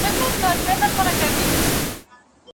هلته مي هم نوي جامې په تن کي نه درلودې